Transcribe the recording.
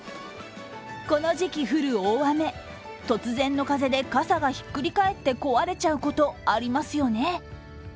この時期降る大雨、突然の風で傘がひっくり返って壊れちゃうこと、ありますよね。